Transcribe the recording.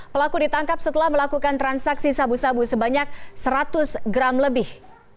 pelaku ditangkap setelah melakukan transaksi sabu sabu sebanyak seratus gram lebih